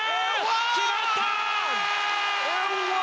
決まった！